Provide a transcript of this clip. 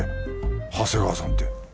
長谷川さんって。